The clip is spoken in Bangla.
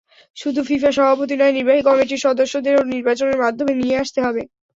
শুধু ফিফা সভাপতি নয়, নির্বাহী কমিটির সদস্যদেরও নির্বাচনের মাধ্যমে নিয়ে আসতে হবে।